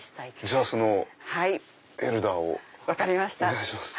じゃあエルダーをお願いします。